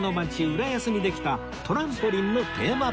浦安にできたトランポリンのテーマパークへ